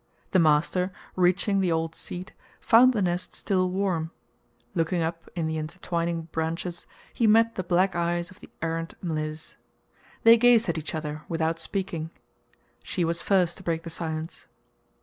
The master, reaching the old seat, found the nest still warm; looking up in the intertwining branches, he met the black eyes of the errant Mliss. They gazed at each other without speaking. She was first to break the silence.